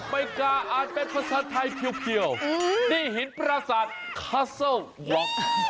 ไม่กล้าอ่านเป็นภาษาไทยเพียวนี่หินปราศาสตร์คัสเซิลว็อก